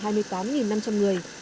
khoảng hai mươi tám năm trăm linh người